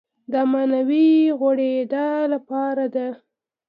دا معنوي غوړېدا لپاره ده.